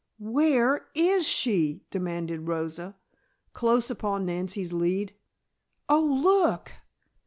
"Where is she!" demanded Rosa, close upon Nancy's lead. "Oh, look!"